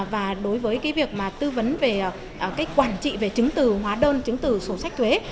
và đối với việc tư vấn về quản trị về chứng từ hóa đơn chứng từ sổ sách thuế